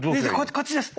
こっちです。